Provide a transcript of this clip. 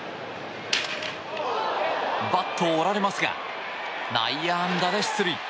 バットを折られますが内野安打で出塁。